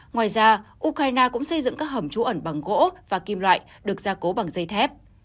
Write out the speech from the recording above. ngoài ra ukraine cũng xây dựng các hầm trú ẩn bằng gỗ và kim loại được gia cố bằng dây thép